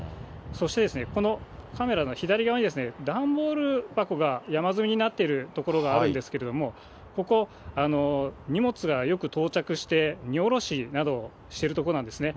そして、このカメラの左側に、段ボール箱が山積みになっている所があるんですけれども、ここ、荷物がよく到着して、荷降ろしなどをしているところなんですね。